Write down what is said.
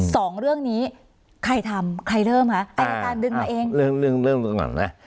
สองเรื่องนี้ใครทำใครเริ่มคะอายการดึงมาเองเริ่มเรื่องเริ่มก่อนนะ